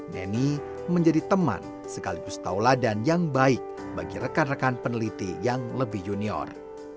neni menjadi teman sekaligus tauladan yang baik bagi rekan rekan peneliti yang lebih junior